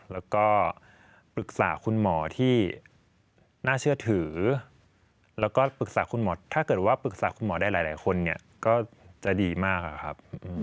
แล้วก็ปรึกษาคุณหมอที่น่าเชื่อถือแล้วก็ปรึกษาคุณหมอถ้าเกิดว่าปรึกษาคุณหมอได้หลายคนเนี่ยก็จะดีมากครับ